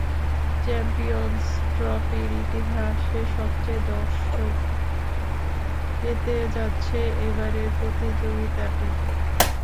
Champions ট্রফির ইতিহাসে সবচেয়ে দর্শক পেতে যাচ্ছে এবারের প্রতিযোগিতাটিই।